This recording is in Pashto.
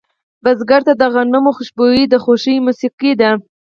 بزګر ته د غنمو خوشبويي د خوښې موسیقي ده